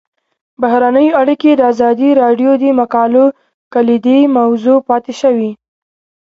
بهرنۍ اړیکې د ازادي راډیو د مقالو کلیدي موضوع پاتې شوی.